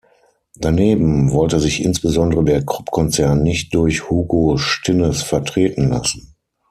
Daneben wollte sich insbesondere der Krupp-Konzern nicht durch Hugo Stinnes vertreten lassen.